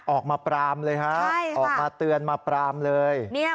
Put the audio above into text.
ออกมาปรามเลยฮะออกมาเตือนมาปรามเลย